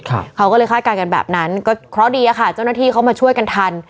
เขาก็เลยคาดการณ์กันแบบนั้นก็เคราะห์ดีอะค่ะเจ้าหน้าที่เขามาช่วยกันทัน